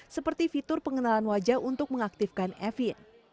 seperti fitur pengenalan wajah untuk mengaktifkan evin